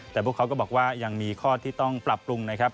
แต่พวกเขาก็บอกว่ายังมีข้อที่ต้องปรับปรุงนะครับ